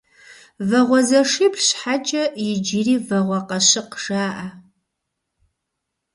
Вагъуэзэшибл щхьэкӀэ иджыри Вагъуэкъащыкъ жаӀэ.